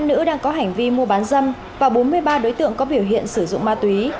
các đối tượng đang có hành vi mua bán dâm và bốn mươi ba đối tượng có biểu hiện sử dụng ma túy